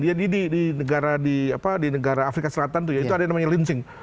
jadi di negara afrika selatan itu ada yang namanya linzing